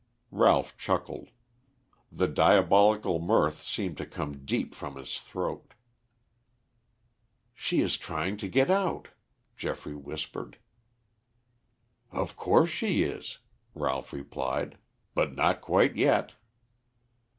Ralph chuckled. The diabolical mirth seemed to come deep from his throat. "She is trying to get out," Geoffrey whispered. "Of course she is," Ralph replied. "But not quite yet."